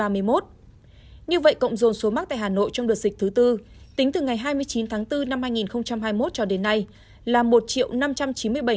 như vậy cộng dồn số mắc tại hà nội trong đợt dịch thứ tư tính từ ngày hai mươi chín tháng bốn năm hai nghìn hai mươi một cho đến nay là một năm trăm chín mươi bảy năm trăm ba mươi ba ca